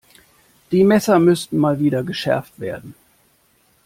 Die Messer müssten Mal wieder geschärft werden.